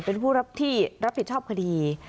เป็นผู้รับที่รับผิดชอบคดี